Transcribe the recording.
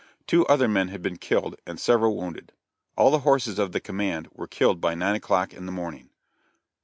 Two other men had been killed, and several wounded. All the horses of the command were killed by nine o'clock in the morning.